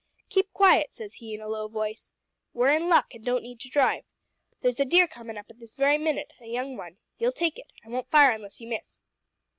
"`Keep quiet,' says he, in a low voice. `We're in luck, an' don't need to drive. There's a deer comin' up at this very minute a young one. You'll take it. I won't fire unless you miss.'